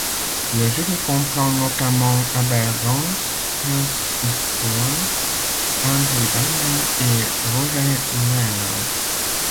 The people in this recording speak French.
Le jury comprend notamment Abel Gance, Francis Poulenc, André Bazin et Roger Leenhardt.